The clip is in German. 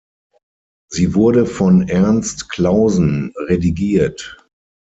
Sie wurde von Ernst Clausen redigiert.